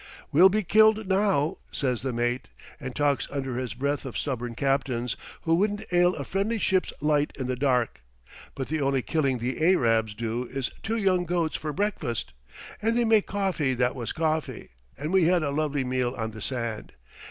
'We'll be killed now,' says the mate, and talks under his breath of stubborn captains, who wouldn't 'ail a friendly ship's light in the dark, but the only killing the Ayrabs do is two young goats for breakfast. And they make coffee that was coffee, and we had a lovely meal on the sand.